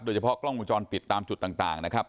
เฉพาะกล้องวงจรปิดตามจุดต่างนะครับ